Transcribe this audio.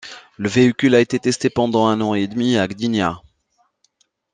Le véhicule a été testé pendant un an et demi à Gdynia.